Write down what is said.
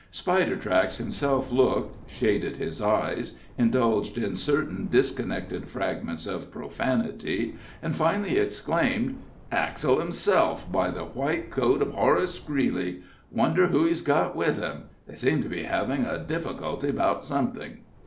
Spidertracks himself looked, shaded his eyes, indulged in certain disconnected fragments of profanity, and finally exclaimed: "Axell himself, by the white coat of Horace Greeley! Wonder who he's got with him! They seem to be having a difficulty about something!"